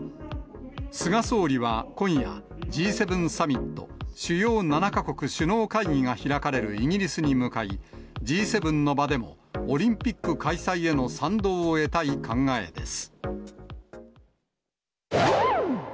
菅総理は今夜、Ｇ７サミット・主要７か国首脳会議が開かれるイギリスに向かい、Ｇ７の場でもオリンピック開催への賛同を得たい考えです。